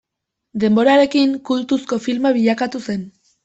Denborarekin kultuzko filma bilakatu zen.